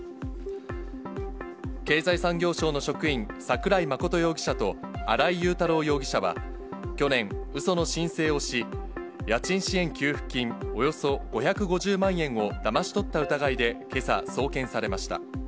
経済産業省の職員、桜井真容疑者と、新井雄太郎容疑者は、去年、うその申請をし、家賃支援給付金およそ５５０万円をだまし取った疑いでけさ、送検されました。